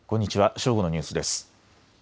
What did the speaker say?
正午のニュースです。